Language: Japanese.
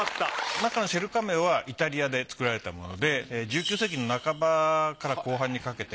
中のシェルカメオはイタリアで作られたもので１９世紀の半ばから後半にかけて。